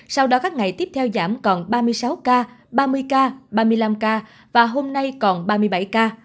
sau đó các ngày tiếp theo giảm còn ba mươi sáu ca ba mươi ca ba mươi năm ca và hôm nay còn ba mươi bảy ca